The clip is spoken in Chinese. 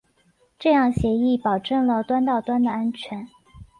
这样协议保证了端到端的安全。